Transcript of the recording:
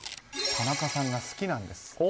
田中さんが好きなんです。